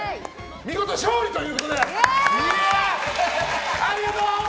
見事、勝利ということで。